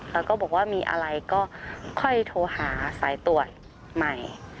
แล้วก็บอกว่ามีอะไรก็ค่อยโทรหาสายตรวจใหม่